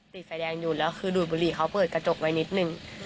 ติดไฟแดงอยู่แล้วคือดูดบุหรี่เขาเปิดกระจกไว้นิดนึง